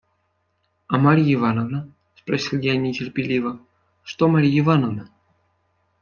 – А Марья Ивановна? – спросил я нетерпеливо, – что Марья Ивановна?